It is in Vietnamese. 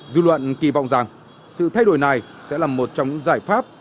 dư luận kỳ vọng rằng sự thay đổi này sẽ là một trong những giải pháp